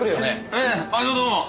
ええ毎度どうも！